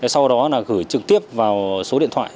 sau đó gửi trực tiếp vào số điện thoại